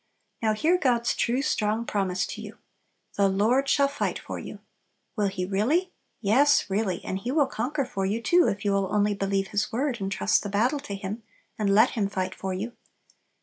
Now hear God's true, strong promise to you. "The Lord shall fight for you!" "Will He really?" Yes, really, and He will conquer for you too, if you will only believe His Word and trust the battle to Him, and let Him fight for you.